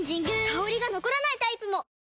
香りが残らないタイプも！